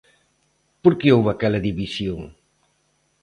Por que houbo aquela división?